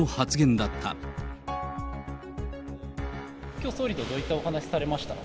きょう、総理とはどういったお話をされました？